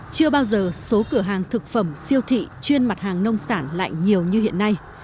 chưa bao giờ số cửa hàng thực phẩm siêu thị chuyên mặt hàng nông sản lại nhiều như hiện nay